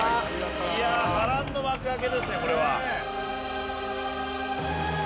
いや波乱の幕開けですねこれは。